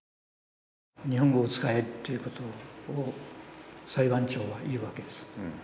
日本語を使えっていうことを裁判長が言うわけです。